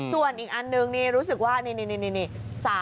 ส่วนอีกอันนึงนี่รู้สึกว่านี่